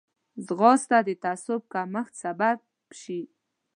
ځغاسته د تعصب کمښت سبب شي